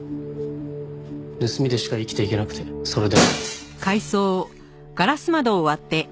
盗みでしか生きていけなくてそれで。